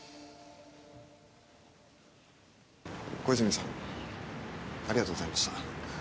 小泉さんありがとうございました。